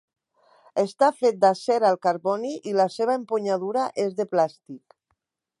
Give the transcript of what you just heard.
Està fet d'acer al carboni i la seva empunyadura és de plàstic.